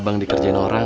abang dikerjain orang